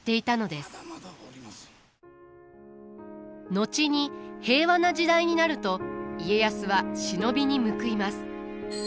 後に平和な時代になると家康は忍びに報います。